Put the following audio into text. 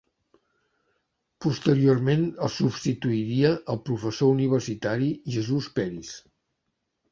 Posteriorment el substituiria el professor universitari Jesús Peris.